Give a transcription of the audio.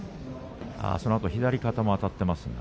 そのあと左肩もあたっています。